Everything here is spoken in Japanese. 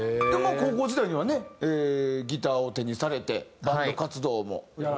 でもまあ高校時代にはねギターを手にされてバンド活動も。